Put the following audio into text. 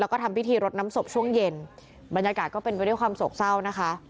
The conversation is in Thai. แล้วก็ทำพิธีรดน้ำศพช่วงเย็นบรรยากาศก็เป็นไปด้วยความโศกเศร้านะคะ